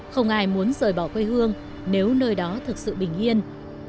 không ai muốn rời bỏ quê hương nếu nơi đó thực sự bình yên